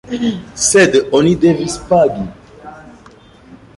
Sed oni devis pagi.